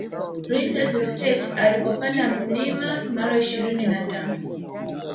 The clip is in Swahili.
Richard reusch alipopanda mlima mara ishirini na tano